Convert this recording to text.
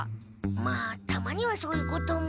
まあたまにはそういうことも。